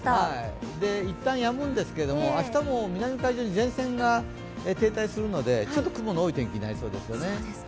一旦やむんですけれども、明日も南海上に前線が停滞するのでちょっと雲の多い天気になりそうですね。